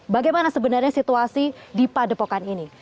bagaimana sebenarnya situasi di padepokan ini